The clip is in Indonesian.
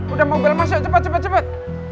udah mobil mas ya cepet cepet cepet